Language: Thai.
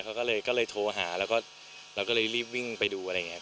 เขาก็เลยโทษหาแล้วก็เริบวิ่งไปดูอะไรอย่างนี้